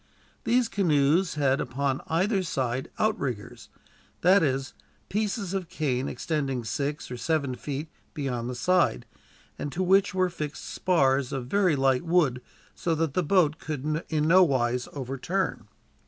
These canoes had upon either side outriggers that is, pieces of cane extending six or seven feet beyond the side, and to which were fixed spars of very light wood, so that the boat could in no wise overturn.